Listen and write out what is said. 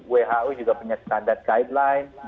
who juga punya standar guideline